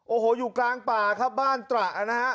โอ้โหอยู่กลางป่าครับบ้านตระนะฮะ